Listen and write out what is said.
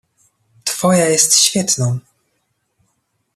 "Twoja jest świetną."